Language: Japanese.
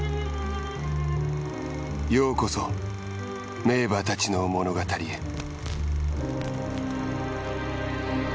ようこそ名馬たちの物語へ。